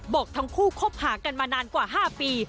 บอกทั้งคู่คบหากันมานานกว่า๕ปี